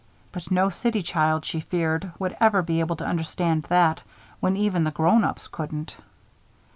But no city child, she feared, would ever be able to understand that, when even the grown ups couldn't.